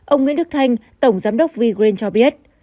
ông nguyễn đức thanh tổng giám đốc vgreen cho biết